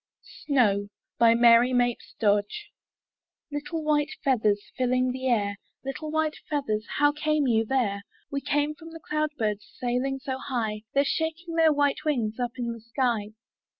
i6i MY BOOK HOUSE SNOW Little white feathers, Filling the air — Little white feathers! How came you there? ''We came from the cloud birds Sailing so high; They're shaking their white wings Up in the sky."